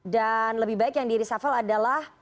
dan lebih baik yang di resapel adalah